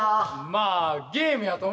まあゲームやと思えば。